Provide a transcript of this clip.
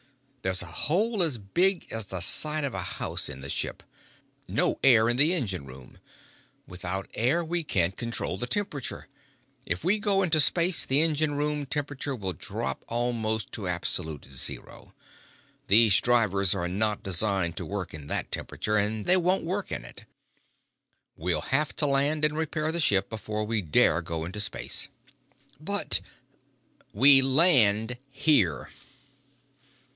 "There's a hole as big as the side of a house in the ship. No air in the engine room. Without air, we can't control the temperature. If we go into space, the engine room temperature will drop almost to absolute zero. These drivers are not designed to work in that temperature, and they won't work in it. We have to land and repair the ship before we dare go into space." "But " "We land here!"